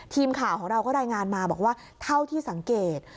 ทีมข่าวของเราก็รายงานมาบอกว่าเท่าที่สังเกต